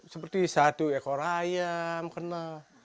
seperti satu ekor ayam kena